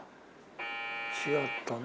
違ったね。